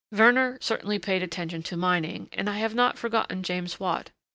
Werner certainly paid attention to mining, and I have not forgotten James Watt.